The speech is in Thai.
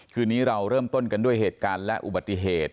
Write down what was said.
คืนนี้เราเริ่มต้นด้วยเวทย์การและอุบัติเหตุ